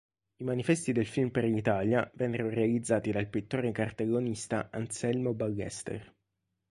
I manifesti del film per l'Italia vennero realizzati dal pittore cartellonista Anselmo Ballester